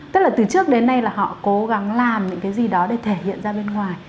tức là từ trước đến nay là họ cố gắng làm những cái gì đó để thể hiện ra bên ngoài